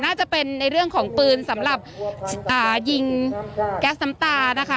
น่าจะเป็นในเรื่องของปืนสำหรับยิงแก๊สน้ำตานะคะ